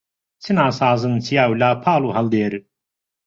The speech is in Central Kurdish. چ ناسازن چیا و لاپاڵ و هەڵدێر